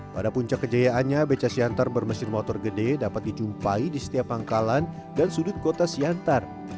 pada puncak kejayaannya beca siantar bermesin motor gede dapat dijumpai di setiap pangkalan dan sudut kota siantar